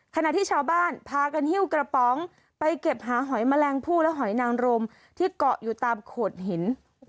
ขณะที่ชาวบ้านพากันหิ้วกระป๋องไปเก็บหาหอยแมลงผู้และหอยนางรมที่เกาะอยู่ตามโขดหิน